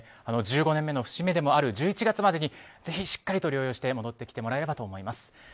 １５年目の節目である１１月までにぜひしっかりと療養して戻ってきてもらえればと思います。